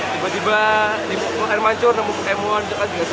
tiba tiba di pokoknya mancur nemu pokemon itu kan juga seru aja